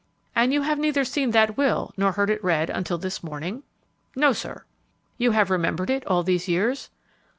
"And you have neither seen that will, nor heard it read until this morning?" "No, sir." "You have remembered it all these years?"